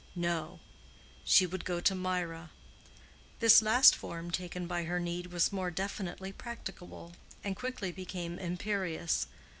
No; she would go to Mirah. This last form taken by her need was more definitely practicable, and quickly became imperious.